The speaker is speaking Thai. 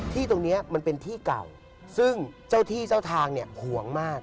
ที่ตรงนี้มันเป็นที่เก่าซึ่งเจ้าที่เจ้าทางเนี่ยห่วงมาก